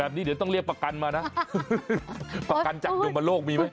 แบบนี้เดี๋ยวต้องเรียกประกันมานะประกันจากโยมโลกมีไหม